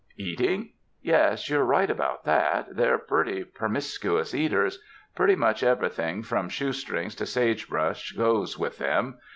"Eating? Yes, you're right about that — they're purty permisc'ous eaters — purty much ev'ything from shoe strings to sagebrush goes with them.